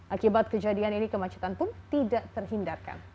akibat kejadian ini kemacetan pun tidak terhindarkan